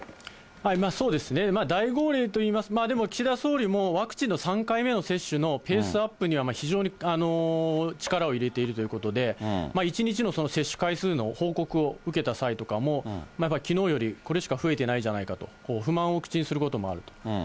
そうですね、大号令といいますか、岸田総理も、ワクチンの３回目の接種のペースアップには非常に力を入れているということで、１日の接種回数の報告を受けた際とかも、きのうより、これしか増えてないじゃないかと、不満を口にすることもあると。